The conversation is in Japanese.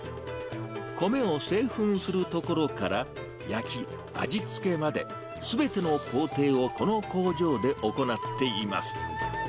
米を製粉するところから、焼き、味付けまで、すべての工程をこの工場で行っています。